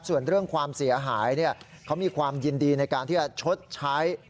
ส่วนเรื่องความเสียหายเขามีความยินดีในการที่จะชดใช้